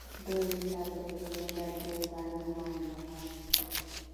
د مثال په توګه دا د پارلمان لخوا کیږي.